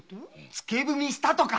付け文したとか。